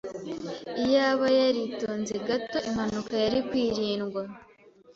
Iyaba yaritonze gato, impanuka yari kwirindwa.